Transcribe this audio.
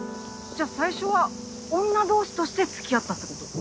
じゃあ最初は女同士として付き合ったってこと？